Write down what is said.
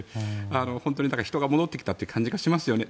本当にだから、人が戻ってきたという感じがしますよね。